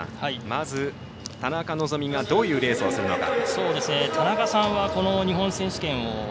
まず、田中希実がどういうレースをするのか。